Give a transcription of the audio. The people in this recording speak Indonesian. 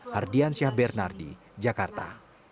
hardian syahbernardi jakarta